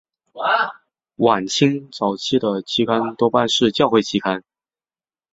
晚清早期的期刊多半是教会期刊。